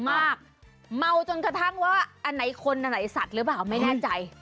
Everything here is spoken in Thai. เมาจนกระทั่งว่าอันไหนคนอันไหนสัตว์หรือเปล่าไม่แน่ใจ